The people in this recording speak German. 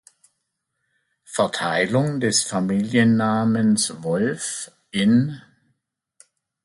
Verteilung des Familiennamens Wolf in